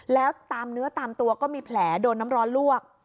แล้วตามเนื้อตามตัวก็มีแผลโดนน้ำร้อนลวก